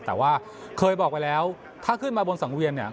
แต่ว่าเคยบอกไว้แล้วถ้าขึ้นมาบนสังเวียนเนี่ย